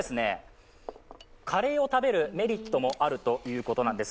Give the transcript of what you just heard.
カレーを食べるメリットもあるということなんです。